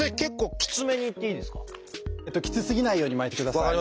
きつすぎないように巻いてください。